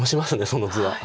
その図は。